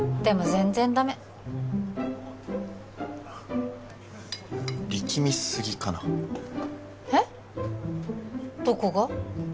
全然ダメ力みすぎかなえっどこが？